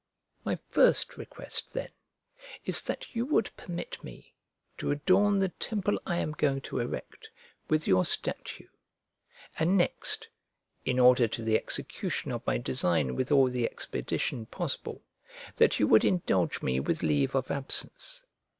My first request, then, is that you would permit me to adorn the temple I am going to erect with your statue, and next (in order to the execution of my design with all the expedition possible) that you would indulge me with leave of absence.